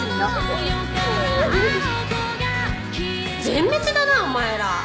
全滅だなお前ら。